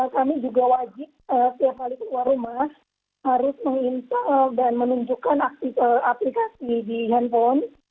kami juga wajib setiap hari keluar rumah harus menginstal dan menunjukkan aplikasi di handphone